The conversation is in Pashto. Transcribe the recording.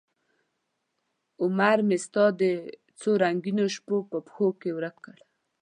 عمرمې ستا د څورنګینوشپو په پښوکې ورک کړ